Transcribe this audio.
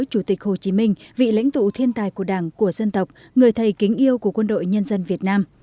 chủ tịch hồ chí minh vị lãnh tụ thiên tài của đảng của dân tộc người thầy kính yêu của quân đội nhân dân việt nam